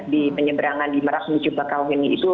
di penyeberangan di merak mujub bakauheni